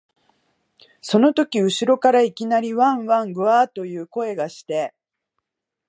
そのとき後ろからいきなり、わん、わん、ぐゎあ、という声がして、